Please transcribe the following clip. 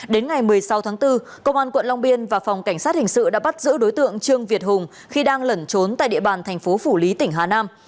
đến ngày một mươi sáu tháng bốn công an quận long biên và phòng cảnh sát hình sự đã bắt giữ đối tượng trương việt hùng khi đang lẩn trốn tại địa bàn thành phố phủ lý tỉnh hà nam